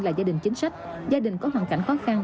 là gia đình chính sách gia đình có hoàn cảnh khó khăn